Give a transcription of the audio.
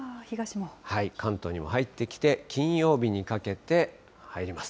関東にも入ってきて、金曜日にかけて入ります。